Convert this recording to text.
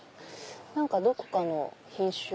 どこかの品種？